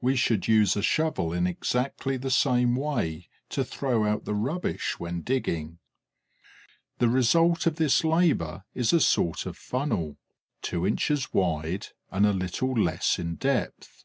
We should use a shovel in exactly the same way to throw out the rubbish when digging. The result of this labour is a sort of funnel, two inches wide and a little less in depth.